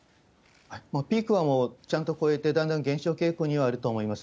もうピークはちゃんと超えて、だんだん減少傾向にはあると思います。